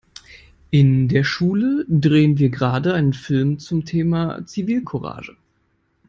In der Schule drehen wir gerade einen Film zum Thema Zivilcourage.